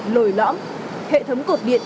lồi lõm hệ thống cột điện